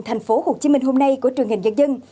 thành phố hồ chí minh hôm nay của truyền hình dân dân